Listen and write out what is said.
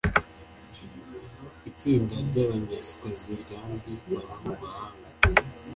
Itsinda ry’Abanyaswazilandi baba mu mahanga